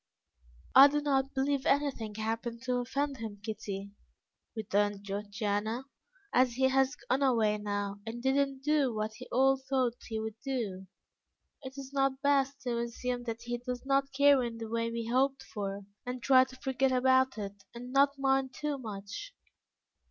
"I do not believe anything happened to offend him, Kitty," returned Georgiana. "As he has gone away now and did not do what he all thought he would do, is it not best to assume that he does not care in the way we hoped for, and try to forget about it, and not mind too much?